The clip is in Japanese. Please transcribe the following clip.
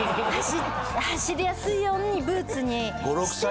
走りやすいようにブーツにして。